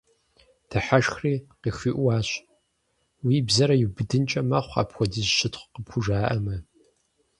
Дыхьэшхри, къыхиӀуащ: – Уи бзэр иубыдынкӀи мэхъу, апхуэдиз щытхъу къыпхужаӀэмэ.